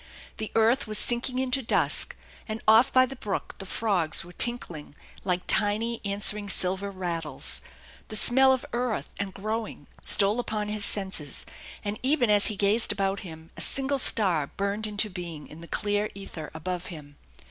The earth was sinking into dusk, and off by the brook the frogs were tinkling like tiny answering silver rattles. The smell of earth and growing stole upon his senses, and even as he gazed about him a single star burned into being in the clear ether above him.